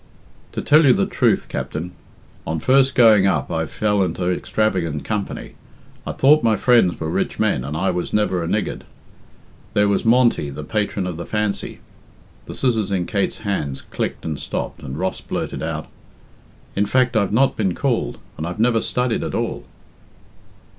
"To tell you the truth, Captain, on first going up I fell into extravagant company. I thought my friends were rich men, and I was never a niggard. There was Monty, the patron of the Fancy" the scissors in Kate's hand clicked and stopped and Ross blurted out, "In fact, I've not been called, and I've never studied at all."